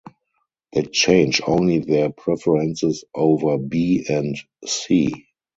They change only their preferences over "B" and "C".